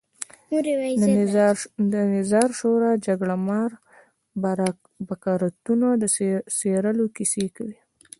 د نظار شورا جګړهمار بکارتونو د څېرلو کیسې کوي.